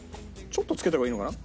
ちょっとつけた方がいいのかな？